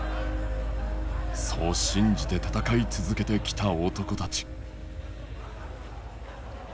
そう信じて戦い続けてきた男たち。